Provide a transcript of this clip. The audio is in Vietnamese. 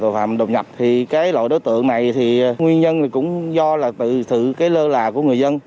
phạm đột nhập thì cái loại đối tượng này thì nguyên nhân cũng do là từ sự cái lơ là của người dân